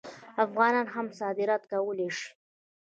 افغانان هم صادرات کولی شي.